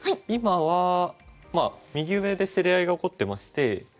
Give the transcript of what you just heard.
今はまあ右上で競り合いが起こってまして。